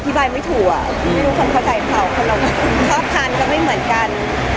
อธิบายไม่ถูกไม่รู้คนเข้าใจเพราะถังก็ไม่เหมือนกัน